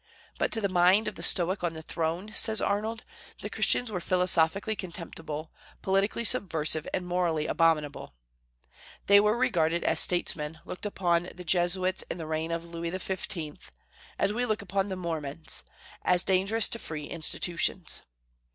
But to the mind of the Stoic on the throne, says Arnold, the Christians were "philosophically contemptible, politically subversive, and morally abominable." They were regarded as statesmen looked upon the Jesuits in the reign of Louis XV., as we look upon the Mormons, as dangerous to free institutions.